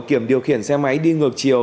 kiểm điều khiển xe máy đi ngược chiều